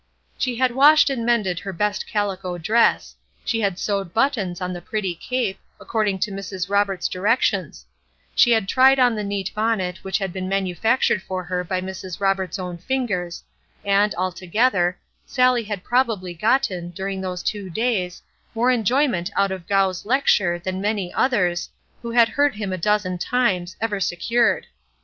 She had washed and mended her best calico dress; she had sewed buttons on the pretty cape, according to Mrs. Roberts' directions; she had tried on the neat bonnet which had been manufactured for her by Mrs. Roberts' own fingers, and, altogether, Sallie had probably gotten, during these two days, more enjoyment out of Gough's lecture than many others, who had heard him a dozen times, ever secured.